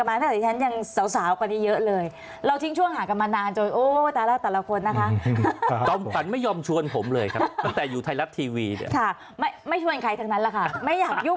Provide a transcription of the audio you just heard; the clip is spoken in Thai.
ไม่อยากยุ่งเกี่ยวกับการเมืองค่ะ